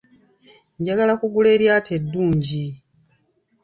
Njagala kugula eryato eddungi.